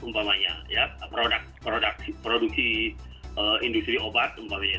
produk produksi industri obat